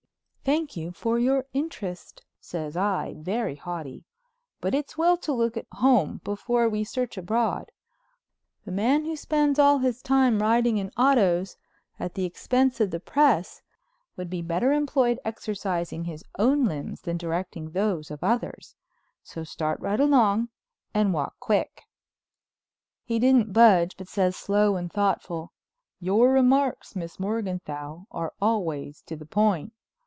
"Thank you for your interest," says I, very haughty, "but it's well to look at home before we search abroad. The man who spends all his time riding in autos at the expense of the Press would be better employed exercising his own limbs than directing those of others. So start right along and walk quick." He didn't budge, but says slow and thoughtful: "Your remarks, Miss Morganthau, are always to the point.